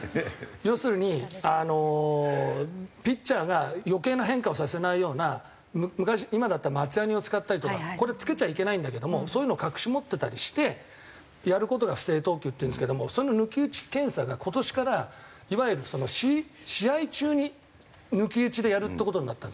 要するにあのピッチャーが余計な変化をさせないような今だったら松ヤニを使ったりとかこれ付けちゃいけないんだけどもそういうのを隠し持ってたりしてやる事が不正投球っていうんですけどもその抜き打ち検査が今年からいわゆる試合中に抜き打ちでやるって事なったんです。